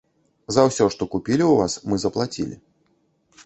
За ўсё, што купілі ў вас, мы заплацілі.